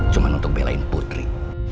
cuma untuk belain putri